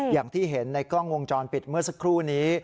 อย่างที่เห็นในกล้องวงจรปิดเมื่อสักครู่นี้